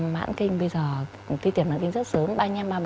mãn kinh bây giờ tuy tiệp mãn kinh rất sớm